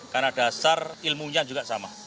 karena dasar ilmunya juga sama